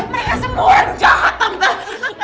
mereka semua orang jatah tante